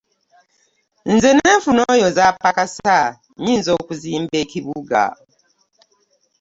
Nze n'enfuna oyo z'apakasa nyinza okuzimba ekibuga .